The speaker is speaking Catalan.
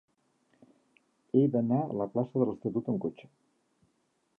He d'anar a la plaça de l'Estatut amb cotxe.